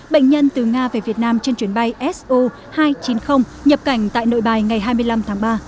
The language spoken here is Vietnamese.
bệnh nhân từ nga về việt nam trên chuyến bay so hai trăm chín mươi nhập cảnh tại nội bài ngày hai mươi năm tháng ba